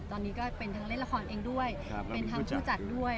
ตอนนี้ก็เป็นทั้งเล่นละครเองด้วยเป็นทั้งผู้จัดด้วย